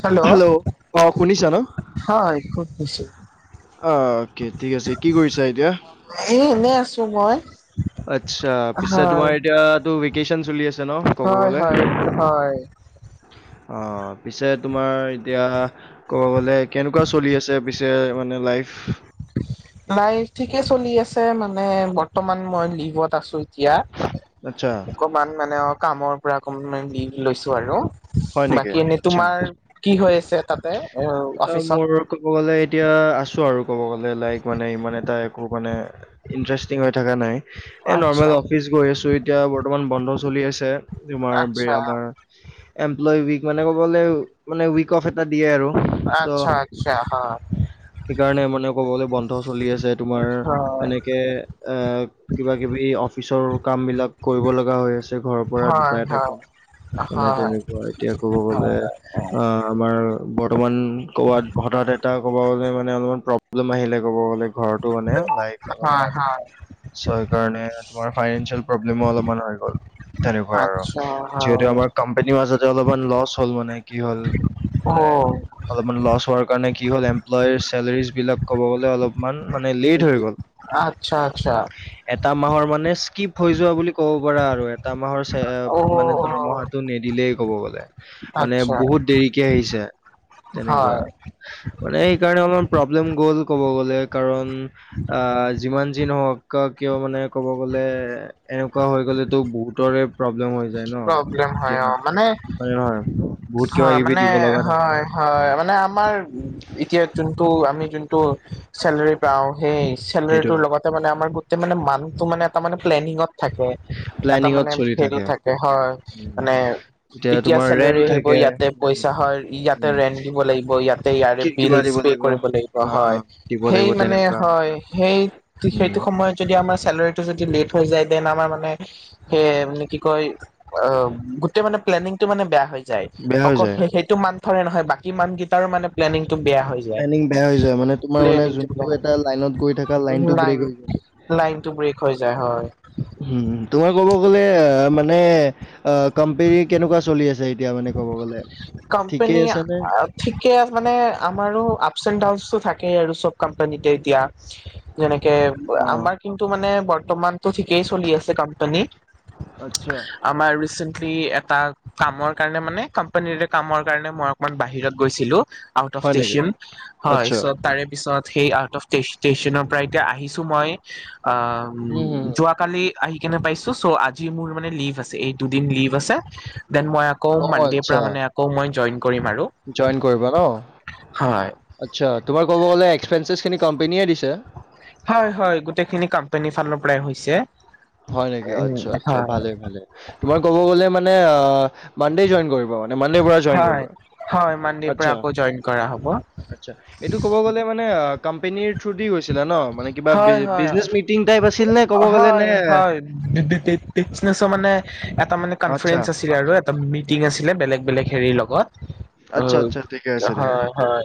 Hello, অঁ শুনিছা ন হয় কত হৈছে? অ', অ'কে ঠিক আছে কি কৰিছা এতিয়া? এ, এনেই আছো মই। আচ্ছা, পিছে হয় তোমাৰ এতিয়াতো ভেকেচন চলি আছে। জান ক'ব হয় গ'লে। হয় হয় অ', পিছে তোমাৰ এতিয়া ক'ব গ'লে কেনেকুৱা চলি আছে পিছে মানে লাইফ? নাই ঠিকে চলি আছে, মানে বৰ্তমান মই লিভত আছো এতিয়া। আচ্ছা। অকণমান মানে কামৰ পৰা অকণমান লিভ লৈছো আৰু। হয় নেকি বাকী এনেই আচ্ছা তোমাৰ কি হৈ আছে তাতে, এ আহ, মোৰ অফিচত। ক'ব গ'লে এতিয়া আছো আৰু ক'ব গ'লে লাইক মানে ইমান এটা একো মানে - ইণ্টাৰেষ্টিং হৈ থকা নাই। এ, নৰ্মেল আচ্ছা অফিচ গৈ আছো এতিয়া বৰ্তমান বন্ধ চলি আছে, তোমাৰ ব্ৰে আচ্ছা আমাৰ - এমপ্ল‌ই উইক, মানে ক'ব গলে মানে উইক অফ এটা দিয়ে আৰু। চ' আচ্ছা, আচ্ছা হা। সেইকাৰণে মানে ক'ব গ'লে বন্ধ চলি আছে, তোমাৰ হয় এনেকে আ - কিবা কিবি অফিচৰ কাম বিলাক কৰিব লগা হৈ আছে ঘৰৰ পৰা দুটা এটা - অ', নহয়। হয়, এতিয়া ক'ব গ'লে- অ', আমাৰ বৰ্তমান কবাত হঠাৎ এটা ক'ব গ'লে মানে অলপমান প্ৰব্লেম আহিলে ক'ব গ'লে - ঘৰতো মানে, লাইক হয় বাট। হয় চ্' সেইকাৰণে তোমাৰ ফাইনেঞ্চিয়েল প্ৰব্লেমো অলপমান গল। তেনেকুৱা আৰু, আচ্ছা যিহেতু হয় আমাৰ কাম - কোম্পানী মাজতে অলপমান লছ হ'ল মানে, কি হলে অ মানে - অলপমান লছ হোৱাৰ কাৰণে কি হ'ল এমপ্ল‌ই চেলাৰীজ বিলাক ক'ব গ'লে অলপমান মানে লেট হৈ গ'ল। আচ্ছা, আচ্ছা। এটা মাহৰ মানে স্কিপ হৈ যোৱা বুলি ক'ব পাৰা আৰু এটা মাহৰ চে অ, মানে অ' দৰমহা - টো নিদিলেই ক'ব গলে, মানে আচ্ছা বহুত দেৰিকে আহিছে তেনেকুৱা। হয় মানে সেইকাৰণে অলপমান প্ৰব্লেম গ'ল ক'ব গ'লে, কাৰণ - অ, যিমান যি নহওক কিয় মানে ক'ব গলে- এনেকুৱা হৈ গলেতো বহুতৰে প্ৰব্লেম হৈ যায় ন, প্ৰব্লেম হয় এতিয়া অ' মানে - হয় হয়, বহুত কিবা হয় কিবি মানে দিব লগা থাকে। হয় হয়, মানে আমাৰ এতিয়া যোনটো আমি যোনটো - চেলাৰী পাওঁ, সেই চেলৰীটোৰ সেইটোয়ে লগত - তা মানে আমাৰ গোটেই মানে মানুহটো মানে তা মানে প্লেনিঙত থাকে এটা প্লেনিঙত মানে চলি হেৰি থাকে - হয়, উম, মানে এতিয়া তোমাৰ চেলৰি ৰেন্ট আহিব থাকে ইয়াতে উম, পইচা হয় এইয়াত - ইতে উম, ৰেন্ট দিব লাগিব ইয়াতে ইয়াৰে কি কিবা বিলচ দিব পে কৰিব লাগিব অ হয়, দিব সেই লাগিব মানে তেনেকুৱা হয়। সেই উম, সেইটো সময় - সেই সময়ত যদি আমাৰ চেলাৰীটো যদি লেট হৈ যায় দেন আমাৰ মানে সে কি কয় - অ গোটেই মানে প্লেনিংটো মানে বেয়া হৈ যায়, বেয়া হৈ অকল যায় সে সেই - তো মান্থৰে নহয়, বাকী মান্থ কেইটাৰো মানে প্লেনিং টো বেয়া হৈ - প্লেনিং বেয়া হৈ যায়, মানে তোমাৰ মানে বেয়া যোনটো এটা লাইনত গৈ থাকা লাইনটো লাইন ব্ৰেক হৈ যায়। লাইনটো ব্ৰেক হৈ যায় হয়। হুম, তোমাৰ ক'ব গ'লে মানে অ কোম্পেনী কেনেকুৱা চলি আছে? এতিয়া মানে ক'ব গ'লে, কোম্পানী ঠিকেই আছে নে? ঠিকে মানে, আমাৰো আপচ এণ্ড ডাউনচটো থাকেই আৰু চব কোম্পানীতে এতিয়া। যেনেকে অ', আমাৰ কিন্তু মানে বৰ্তমানতো ঠিকেই চলি আছে কোম্পানী। আচ্ছা। আমাৰ ৰিচেণ্টলি এটা কামৰ কাৰণে মানে কোম্পানী কামৰ কাৰণে মই - মান বাহিৰত গৈছিলো, আউট অফ হয় নেকি? ষ্টেচন, হয় আচ্ছা, চ্ তাৰে পিছত - সেই আউট অফ ষ্ট ষ্টেচনৰ পৰা এতিয়া আহিছো মই উম, হুম, হুম। যোৱাকালি- আহি কেনে পাইছো, চ্' আজি মোৰ মানে লিভ আছে এই দুদিন লিভ আছে দেন মই - আকৌ অ', মানডিৰ আচ্ছা, পৰা মানে আকৌ মই জইন কৰিম আৰু। জইন কৰিবা ন হয় আচ্ছা তোমাৰ কব গলে এক্সপেনশ্বিছ খিনি কম্পেনীয়ে দিছে হয় হয় গোটেইখিনি কম্পেনীৰ ফালৰ পৰাই হৈছে হয় নেকি উম আচ্ছা আচ্ছা হয় ভালে ভালে তোমাৰ কব গলে মানে মানডে জইন কৰিব হয় হয় মানডেৰ পৰা আচ্ছা, আকৌ জইন কৰা হ'ব আচ্ছা এইটো ক'ব গ'লে মানে কম্পেনীৰ থ্ৰু দি গৈছিলা ন মানে কিবা হয়, বিজ হয়, বিজনেছ মিটিং টাইপ আছিল নে ক'ব গ'লে হয়, নে হয় বি বি বিজনেচৰ মানে এটা মানে আচ্ছা। কনফ্ৰেৰেঞ্চ আছিল আৰু এটা মিটিং আছিলে বেলেগ বেলেগ হেৰিৰ লগত আচ্ছা আচ্ছা ঠিকেই আছে দিয়া হয়, হয়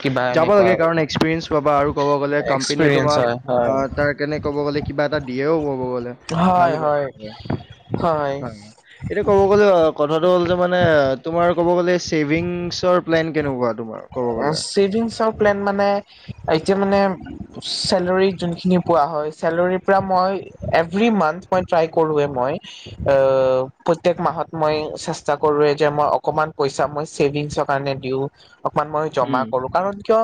কিবা যাব এনেকুৱা লাগে কাৰণ এক্সপিৰিয়েঞ্চ পাবা আৰু ক'ব গ'লে কম্পেনীয়ে এক্সপিৰিয়েঞ্চ তোমাক হয়, অ হয়, তাৰ কাৰণে ক'ব গ'লে কিবা এটা দিয়েও ক'ব গ'লে ভাল হয়, ক হয়, হয়নি হয়। এতিয়া ক'ব গ'লে কথাটো হ'ল কি মানে তোমাৰ ক'ব গ'লে স্কি ছেভিংছৰ প্লেন কেনেকুৱা তোমাৰ ক'ব গ'লে? ছেভিংছৰ প্লেন মানে এতিয়া মানে চেলৰী যোনখিন পোৱা হয় চেলৰীৰ পৰা মই এভৰি মান্থ মই ট্ৰাই কৰোৱে মই অ প্ৰত্যেক মাহত মই চেষ্টা কৰোৱে যে মই অকমান পইচা মই ছেভিংছত কাৰণে দিওঁ অকমান মই জমা উম, কৰো কাৰণ কিয়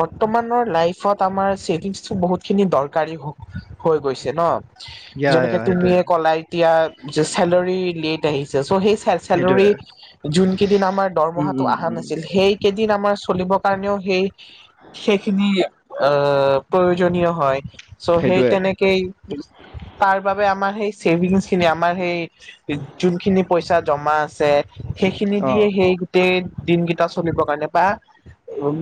বৰ্তমানৰ লাইফত আমাৰ ছেভিংছটো বহুতখিনি দৰকাৰী হৈ হৈ গৈছে ন ইয়া, যেনেকে ইয়া সেইটোয়ে, তুমিয়ে ক'লা এতিয়া যে চেলৰি লেট আহিছে চ' সেই হে চেলৰি সেইটোয়ে। যোন কেইদিন আমাৰ উম, দৰমহাটো উম, আহা উম, নাছিল সেই কেইদিন আমাৰ চলিব কাৰণেও সেই সেইখিনি অহ প্ৰয়োজনীয় হয় চ' সেই সেইটোয়ে। তেনে কেই তাৰ বাবে আমাৰ সেই ছেভিংচ খিনি আমাৰ সেই যোনখিনি পইচা জমা আছে সেইখিনি দিয়ে অ', সেই গোটেই দিনকেইটা চ চলিবৰ কাৰণে বা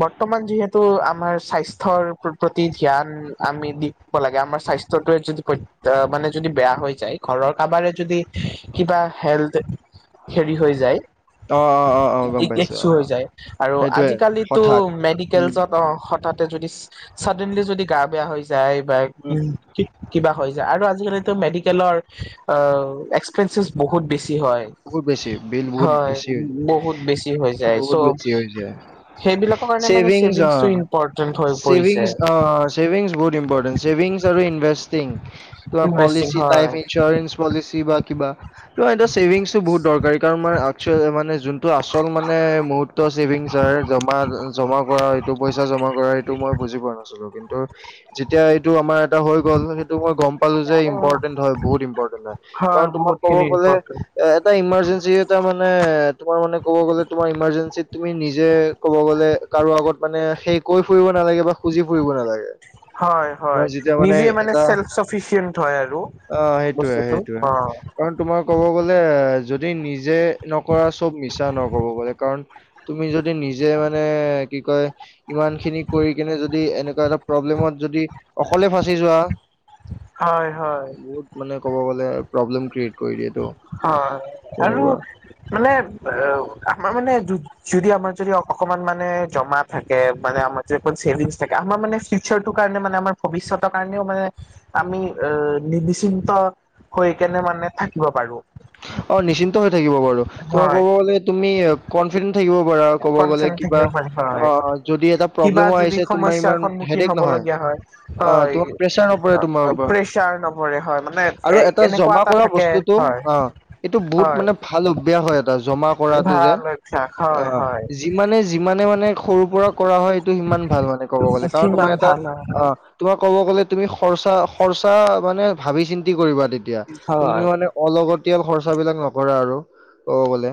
বৰ্তমান যিহেতু আমাৰ স্বাস্থ্যৰ প্ৰতি ধ্যান আমি দি ব লাগে আমাৰ স্বাস্থ্যটোৱে যদি ক অ মানে যদি বেয়া হৈ যায় ঘৰৰ কাবাৰে যদি কিবা হেল্থ হেৰি হৈ যায় অ', অ', অ', অ', গম কিকেত পাইছো। চ' হৈ অ', যায় আৰু সেইটোয়ে আজিকালিতো হঠাৎ। উম, মেডিকেলছত অ হঠাতে যদি অ চডেনলি যদি গা বেয়া হৈ যাই বাই কি উম, কি কিবা হৈ যায় আৰু আজিকালিতো মেডিকেলৰ অ এস্ক এক্সপেনচিছ বহুত বেছি হয় বহুত বেছি বিল বহুত হয় বেছি বহুত বেছি হৈ যায় চ' কি হৈছে সেইবিলাকৰ কাৰণে মানে চেভিংছ অ ছেভিংছটো ইম্পৰ্টেন্ট হৈ পৰিছে চেভিংছ অ চেভিংছ বহুত ইম্পৰ্টেণ্ট চেভিংছ তৰো ইনভেষ্টটিং তোমাৰ ইনভেষ্টিং পলিচি হয়। টাইপ ইঞ্চৰেঞ্চ পলিচি বা কিবা ত এটো চভিংছতো বহুত দৰকাৰী কাৰণ মই অকশয় মানে যোন টো আচল মানে মুহুৰ্ত চেভিংছ হয় জমা জমা কৰা এইটো পইচা জমা কৰা এইটো মই বুজি পোৱা নাছিলো কিন্তু যেতিয়া এইটো আমাৰ এটা হৈ গ'ল সেইটো মই গম পালো যে ইম্পৰ্টেণ্ট হয় বহুত ইম্পৰ্টেণ্ট হয় কাৰণ তোমাক বহুত ক'ব খিনি গলে ইম্পৰ্টেণ্ট এ এটা ইমাৰ্জেঞ্চি এটা মানে তোমাৰ মানে কব গলে তোমাৰ ইমাৰ্জেঞ্চিত তুমি নিজে কব গ'লে কাৰো আগত মানে সেই কৈ ফুৰিব নালাগে বা খুজি ফুৰিব নালাগে হয় হয় তোমাৰ যেতিয়া নিজে মানে এটা চেল্ফ চফিচিয়েণ্ট হয় আৰু অ সেইটোয়ে বস্তুটো সেইটোয়ে অ কাৰণ তোমাৰ ক'ব গ'লে যদি নিজে নকৰা চব মিছা নকব গলে কাৰণ। তুমি যদি নিজে মানে কি কয়। ইমান খিনি কৰি কিনে যদি এনেকুৱা এটা প্ৰব্লেমত যদি অকলে ফঁচি যোৱা। হয় হয়। বহুত মানে ক'ব গ'লে প্ৰব্লেম ক্ৰিয়েট কৰি দিয়েতটো। হয় আৰু মানে আমাৰ মানে। যদি আমাৰ যদি অকমান মানে জমা থাকে, মানে আমাৰ যদি অছেভিং থাকে আমাৰ মানে। সেইটো কাৰণে মানে আমাৰ ভৱিষ্যতৰ কাৰণেও মানে। আমি আহ নিবি্চিন্ত হৈ কেনে মানে থাকিব পাৰো। অ' নিশ্চিন্ত হৈ থাকিব পাৰো, তোমাৰ হয় কব গলে তুমি। কনফিডেন্ থাকিব পাৰা আৰু ক'ব গলে, কনফিডেন্ট কিবা থাকিব পাৰি অ হয় যদি এটা কিবা প্ৰব্লেম যদি আহিছে। তোমাৰ সমস্যাৰ ইমান সন্মুখীন হেডএক নহয়, হবলগীয়া হয় অ' হয় তোমাৰ প্ৰেচাৰ নপৰে তোমাৰ ওপৰত। প্ৰেচাৰ নপৰে হয় মানে আৰু এ এটা এনেকুৱা জমা কৰা থাকে বস্তুতটো। হয় অ' এইটো বহুত হয় মানে ভাল অভ্যাস হয় এটা জমা কৰাটো যে, ভাল অভ্যাস হয় অ' হয়। যিমানে যিমানে মানে সৰু পৰা কৰা হয় এইটো সিমান ভাল মানে ক'ব গলে কাৰণ কিমান তোমাৰ এটা ভাল হয় অ' তোমাক কব গ'লে তুমি সৰচা খৰ্চা মানে ভাবি চিন্তি কৰিবা তেতিয়া তুমি হয় মানে। অলগতিয়াল খৰচ বিলাক নকৰা আৰু ক'ব গলে,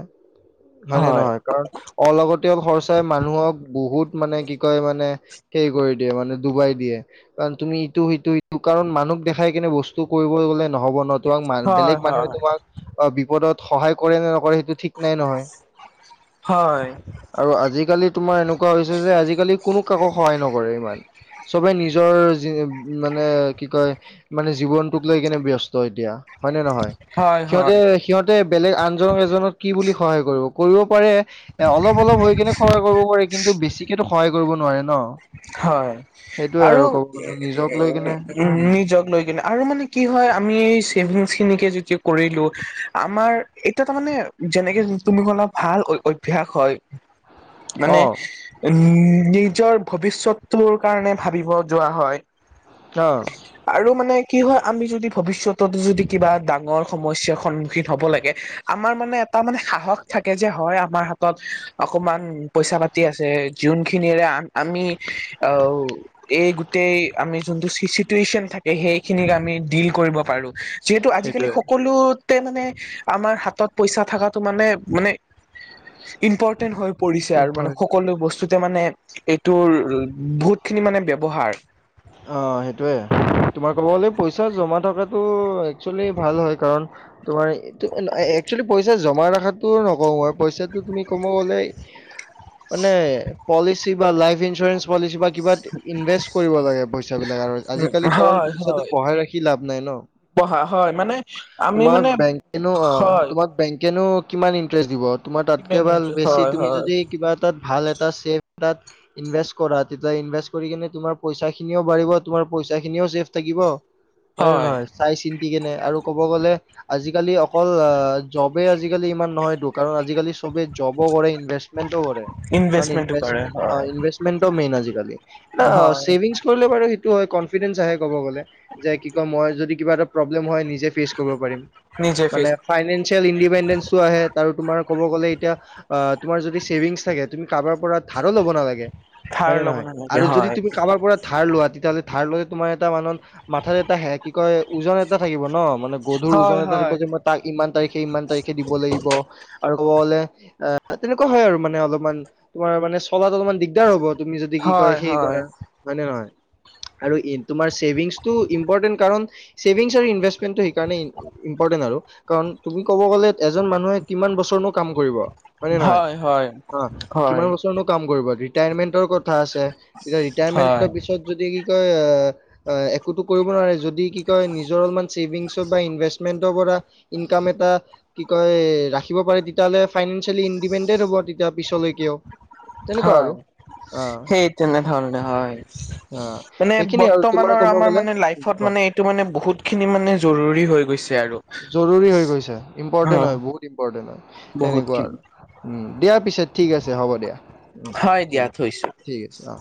হয়নে হয় নহয়। কাৰণ অলগতিয় খৰচাই মানুহক বহুত মানে কি কয় মানে। সে কৰি দিয়ে মানে ডুবাই দিয়ে। তুমি ইটো সিটো ইটো কাৰণ মানুহক দেখাই কেনে বস্তু কৰিব গলে নহব ন। তোমাক বেলেগ হয় মানুহে হয় তোমাক অ' বিপদত সহায় কৰে নে নকৰে সেইটো। ঠিক নাই নহয়। হয় আৰু আজিকালি তোমাৰ এনেকুৱা হৈছে যে, আজিকালি কোনো কাকো সহায় নকৰে ইমান। চবে নিজৰ মানে কি কয়। মানে জীৱনটোক লৈ কেনে ব্যস্ত এতিয়া হয় নে নহয়? হয় হয় সিহঁতে- সিহঁতে বেলেগ আনজনক এজনক কি বুলি সহায় কৰিব কৰিব পাৰে। এ' অলপ অলপ হৈ কেনে সহায় কৰিব পাৰে কিন্তু বেছিকেতো সহায় কৰিব নোৱাৰে ন। হয়, সেইটোয়ে আৰু ক'ব গ'লে নিজক লৈ কিনে উম নিজক লৈ কিনে। আৰু মানে কি হয় আমি এই চেভিংছখিনিকে যে কৰিলোঁ আমাৰ। এতিয়া তাৰ মানে যেনেকে তুমি কলা ভাল অভ্যয়াস হয়। অ মানে নিজৰ ভৱিষ্যতটোৰ কাৰণে ভাবিব যোৱা হয়। অঁ। আৰু মানে কি হয় আমি যদি ভৱিষ্যতত যদি কিবা ডাঙৰ সমস্যাৰ সন্মুখীন হব লাগে। আমাৰ মানে এটা মানে সাহস থাকে যে হয় আমাৰ হাতত অকমান পইচা পাতি। আছে যোনখিনিৰে আমি আহ এই। গোটেই আমি যোনটো থাকে সেইখিনিক আমি ডিল কৰিব পাৰো। যিহেতু আজিকালি সেইটোয়ে সকলো। মানে আমাৰ হাতত পইচা থকাটো মানে - মানে। ইম্পৰ্টেণ্ট হৈ পৰিছে আৰু মানে ইম্পৰ- সকলো বস্তুতে মানে। তোৰ বহুতখিনি মানে ব্যয়ৱহাৰ। অ' সেইটোৱে তোমাৰ ক'ব গ'লে পইচা জমা থকাটো একচুৱেলি ভাল হয় কাৰণ। তোমাৰ একচুৱেলি পইচা জমা ৰখাতটো নকওঁ মই পইচাটো তুমি কমব গলে। মানে পলিচি বা, লাইফ ইঞ্চৰেস পলিচি বা। কিবা ইনভেষ্ট কৰিব লাগে, পইচা বিলাক আৰু আজিকালি কাৰণ পইচাটো বঢ়াই ৰাখি লাভ নাই ন। বহা হয় মানে আমি তোমাক মানে বেংকেনো অ হয় তোমাক বেংকেনো কিমান ইন্টাৰেষ্ট দিব তোমাৰ তাতকে কিমান ভাল ইন্টাৰেষ্ট বেছি হয় তুমি হয় যদি কিবা এটাত ভাল এটা চেফ তাত ইনভেষ্ট কৰা তেতিয়া ইনভেষ্ট কৰি কিনে তুমাৰ পইচা খিনিও বাঢ়িব তোমাৰ পইচা খিনিও চেফ থাকিব হয় নে নহয় চাই চিন্তি কেনে আৰু ক'ব গ'লে আজিকালি অকল আহ জবে আজিকালি ইমান নহয় টো কাৰণ আজিকালি চবে জবো কৰে ইনভেষ্টমেণ্টও কৰে অ ইনভেষ্টমেন্টটো ইনভমেণ্ট কৰে মেইন অ হয় ইনভে্টমেণ্টও মেইন আজিকালি অ হয় ছেভিংছ কৰিলে বাৰু সেইটো হয় কনফিডেন্ঞ্চ আহে ক'ব গ'লে যে কি কয় মই যদি কিবা এটা প্ৰবলেম হয় নিজে ফেচ কৰিব পাৰিম নিজে মানে ফিজ ফাইনেন্সিয়েল ইণ্ডিপেণ্ডেন্সও আহে আৰু তোমাৰ ক'ব গ'লে এতিয়া আ তোমাৰ যদি ছেভিংছ থাকে তুমি কাৰবাৰ পৰা ধাৰো ল'ব নালাগে ধাৰ হয় নে ল'ব নহয় নালাগে আৰু যদি হয় তুমি কাৰবাৰ পৰা ধাৰ লোৱা তেতিয়াহ'লে ধাৰ লৈ তোমাৰ এটা মানত মাথাত এটা হে কি কয় ওজন এটা থাকিব ন মানে গধুৰ হয় ওজন এটা থাকিব হয় যে মই তাক ইমান তাৰিখে ইমান তাৰিখে দিব লাগিব আৰু ক'ব গলে আ তেনেকুৱা হয় আৰু মানে অলপমান তোমাৰ মানে চলাত অলপমান দিগদাৰ হ'ব তুমি যদি কি কয় হয় সেই কৰা হয় হয় নে নহয় আৰু ই তোমাৰ চছেভিংছটো ইম্পৰ্টেণ্ট কাৰন ছেভিংছ আৰু ইনভেছ টেণ্টো এই কাৰনে ইম্পৰ্টেণ্ট আৰু কাৰণ তুমি ক'ব গ'লে এজন মানুহে কিমান বছৰ নো কাম কৰিব হয় নে নহয় হয় হয় অ কিমান হয় বচ ছৰ নো কাম কৰিব ৰিটায়াৰমেন্টৰ কথা আছে তেতিয়া হয় ৰিটায়াৰমেন্টৰ পিছত যদি কি কয় অ আ একোতো কৰিব নোৱাৰে যদি কি কয় নিজৰ অলপমান চছেভিংছৰ বা ইনভেষ্টমেণ্টৰ পৰা ইনকাম এটা কি কয় ৰাখিব পাৰে তেতিয়াহ'লে ফাইনেনচিয়েলি ইণ্ডিপেণ্ডেট হ'ব তেতিয়া পিছলেকেও হয় সেই তেনেধৰণে হয় অ' মানে সেইখিনি আৰু তোমাৰ বৰ্তমানৰ ক'ব আমাৰ গ'লে মানে লাইফত মানে এইটো মানে বহুত খিনি মানে জৰুৰী হৈ গৈছে আৰু জৰুৰী হৈ গৈছে ইম্পৰ্টেণ্ট হয় বহুত ইম্পৰ্টেণ্ট হয় বহুত তেনেকুৱা খিনি আৰু উম দিয়াৰ পিছত ঠিক আছে হ'ব দিয়া উম হয় দিয়া ঠিক থৈছো ঠিক আছে অ'